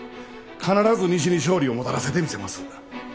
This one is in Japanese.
必ず西に勝利をもたらせてみせます。